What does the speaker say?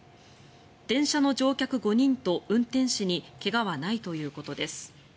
電車の乗客５人と運転士に怪我はないということです。